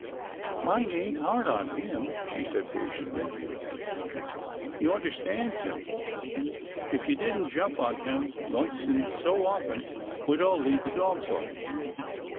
" I ain't hard on him," she said patiently. " You understan's him. H you didn't jump on him once in so often, we'd all lead the dog's life."